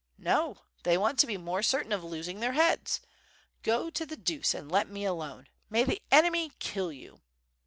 No, they want to be more certain of losing their heads. 60 to the deuce and let me alone! May the enemy kill you."